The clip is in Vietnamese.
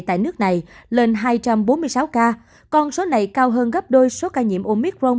tại nước này lên hai trăm bốn mươi sáu ca còn số này cao hơn gấp đôi số ca nhiễm omicron